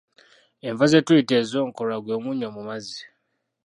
Enva ze tuyita ez’enkolwa gwe munnyo mu mazzi.